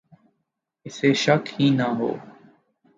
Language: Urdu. اسے شک ہی نہ ہو